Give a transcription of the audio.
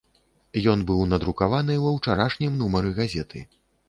Ён быў надрукаваны ва ўчарашнім нумары газеты.